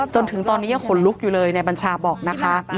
จนถึงตอนนี้ยังขนลุกอยู่เลยนายบัญชาบอกนะคะ